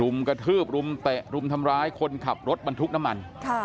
กระทืบรุมเตะรุมทำร้ายคนขับรถบรรทุกน้ำมัน